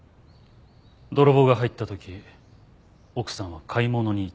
泥棒が入った時奥さんは買い物に行ってたとか。